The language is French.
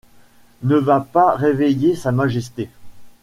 Ne va pas réveiller sa majesté!